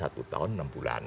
satu tahun enam bulan